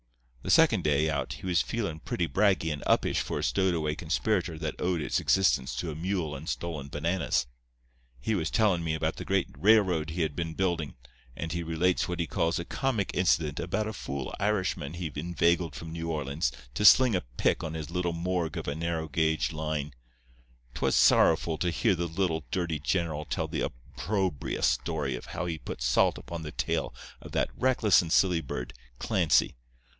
"The second day out he was feelin' pretty braggy and uppish for a stowed away conspirator that owed his existence to a mule and stolen bananas. He was tellin' me about the great railroad he had been buildin', and he relates what he calls a comic incident about a fool Irishman he inveigled from New Orleans to sling a pick on his little morgue of a narrow gauge line. 'Twas sorrowful to hear the little, dirty general tell the opprobrious story of how he put salt upon the tail of that reckless and silly bird, Clancy.